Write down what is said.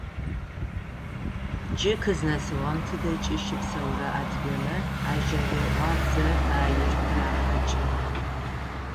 Джы къызнэсыгъэм тыдэкӏи щыпсэурэ адыгэмэ а жэрыӏобзэ баир къырахьакӏы.